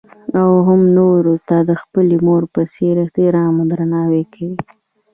او هـم نـورو تـه د خـپلې مـور پـه څـېـر احتـرام او درنـاوى وکـړي.